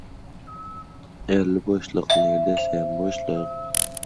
Gapirmayin dedim — erkak erkak-da, tag‘in bo‘lmadi.